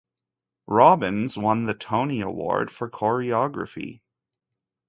Robbins won the Tony Award for choreography.